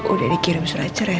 udah dikirim selacere